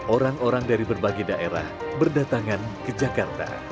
orang orang dari berbagai daerah berdatangan ke jakarta